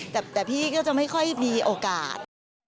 แต่พี่ก็จะไม่ค่อยมีโอกาส